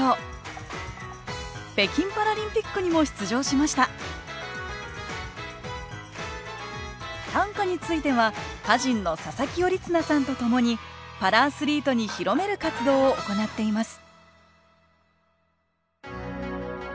北京パラリンピックにも出場しました短歌については歌人の佐佐木頼綱さんとともにパラアスリートに広める活動を行っています